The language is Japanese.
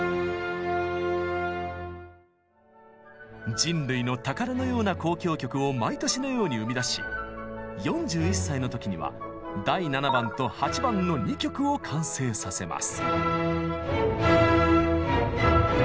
人類の宝のような交響曲を毎年のように生み出し４１歳の時には「第７番」と「８番」の２曲を完成させます。